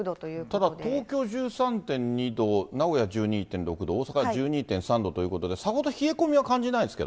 ただ東京１３．２度、名古屋１２．６度、大阪１２．３度ということで、さほど冷え込みは感じないんですけ